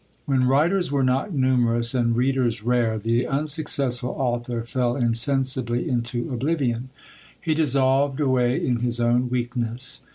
When writers were not numerous, and readers rare, the unsuccessful author fell insensibly into oblivion; he dissolved away in his own weakness.